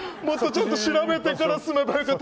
調べてから住めばよかった。